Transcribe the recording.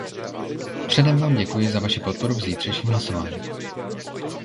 Předem Vám děkuji za Vaši podporu v zítřejším hlasování.